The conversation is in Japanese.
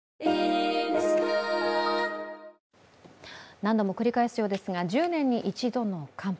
何度も繰り返すようですが１０年に一度の寒波。